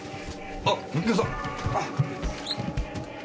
あ右京さん！